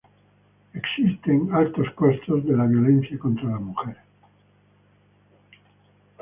Existen altos costos de la violencia contra la mujer.